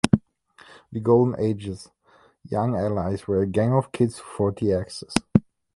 The Golden Age's Young Allies were a gang of kids who fought the Axis.